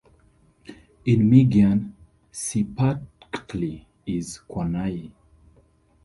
In Migian, Cipactli is Quanai.